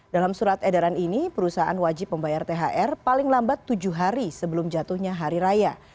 dalam surat edaran ini perusahaan wajib membayar thr paling lambat tujuh hari sebelum jatuhnya hari raya